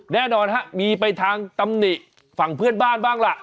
แน่นอนฮะมีไปทางตำหนิฝั่งเพื่อนบ้านบ้างล่ะ